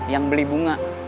yang beli bunga